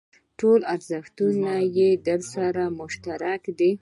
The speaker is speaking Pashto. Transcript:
ټول ارزښتونه یې درسره مشترک دي.